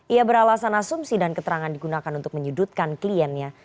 ia beralasan asumsi dan keterangan digunakan untuk menyudutkan kliennya